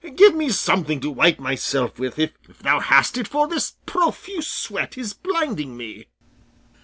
Give me something to wipe myself with, if thou hast it, for this profuse sweat is blinding me."